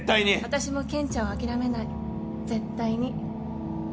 私も健ちゃんを諦めない絶対に。